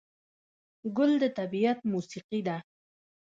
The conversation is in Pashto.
ګل د طبیعت موسیقي ده.